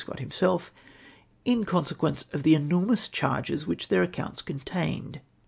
Scott himself!) in consequence of the enormous charges tuhich their accounts contained.